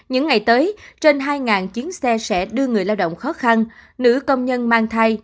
những ngày tới trên hai chuyến xe sẽ đưa người lao động khó khăn nữ công nhân mang thai